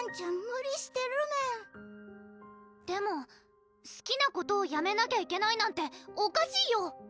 無理してるメンでもすきなことをやめなきゃいけないなんておかしいよ！